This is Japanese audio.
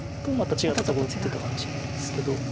とまた違ったとこ打ってたかもしれないですけど。